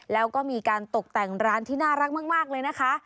แล้วก็มีการตกแต่งร้านที่น่ารักมากเลยนะคะ